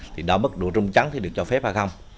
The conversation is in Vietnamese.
thì đo bất đủ rung trắng thì được cho phép hay không